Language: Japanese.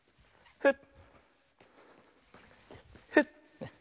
フッ。